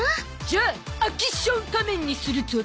じゃあ秋ション仮面にするゾ